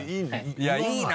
いやいいな！